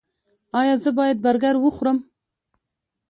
ایا زه باید برګر وخورم؟